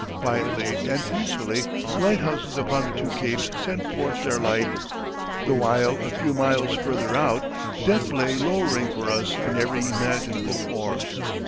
Quietly and peacefully the lighthouses upon the two capes sent forth their light, the while a few miles further out death lay lowering for us in every imaginable form.